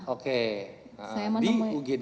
oke di ugd